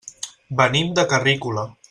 Venim de Carrícola.